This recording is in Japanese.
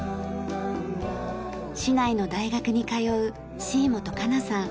市内の大学に通う椎本佳那さん。